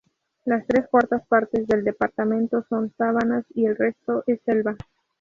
Las tres cuartas partes del departamento son sabanas y el resto es selva.